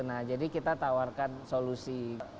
nah jadi kita tawarkan solusi